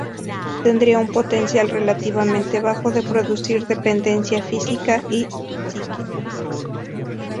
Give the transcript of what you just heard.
Tendría un potencial relativamente bajo de producir dependencia física y psíquica.